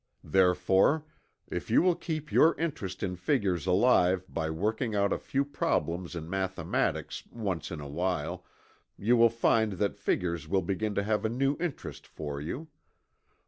Therefore, if you will keep your interest in figures alive by working out a few problems in mathematics, once in a while, you will find that figures will begin to have a new interest for you.